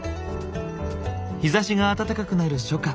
日ざしが暖かくなる初夏